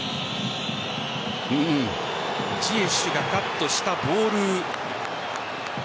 ジエシュがカットしたボール。